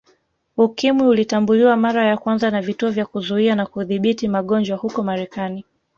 Ukimwi ulitambuliwa mara ya kwanza na Vituo vya Kuzuia na Kudhibiti Magonjwa huko Marekani